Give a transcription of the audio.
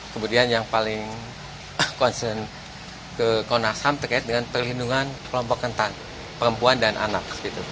kemudian yang paling konsen ke komnasam terkait dengan perlindungan kelompok kentan perempuan dan anak